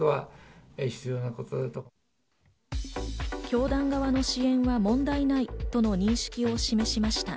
教団側の支援は問題ないとの認識を示しました。